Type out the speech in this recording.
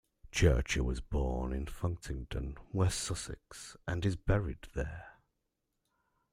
Churcher was born in Funtington, West Sussex and is buried there.